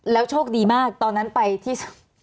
โชคดีมากตอนนั้นไปที่